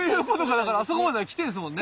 だからあそこまでは来てるんですもんね。